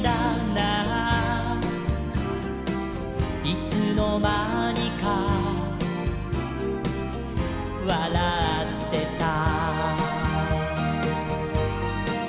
「いつのまにかわらってた」